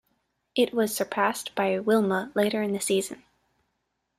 It was surpassed by Wilma later in the season.